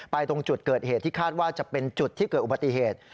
ตรงจุดเกิดเหตุที่คาดว่าจะเป็นจุดที่เกิดอุบัติเหตุ